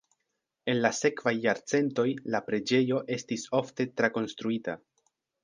En la sekvaj jarcentoj la preĝejo estis ofte trakonstruita.